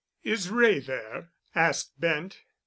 "Is Wray there?" asked Bent.